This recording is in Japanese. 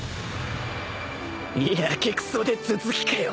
やけくそで頭突きかよ